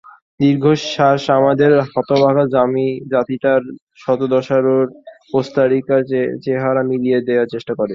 দীর্ঘশ্বাস আমাদের হতাভাগা জাতিটার হতদশার সঙ্গে কোস্টারিকার চেহারা মিলিয়ে দেখার চেষ্টা করে।